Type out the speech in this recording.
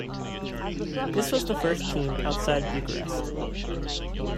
This was the first team outside Bucharest.